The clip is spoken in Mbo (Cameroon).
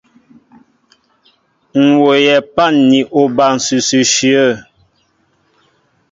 M̀ wooyɛ pân ni oba ǹsʉsʉ ǹshyə̂.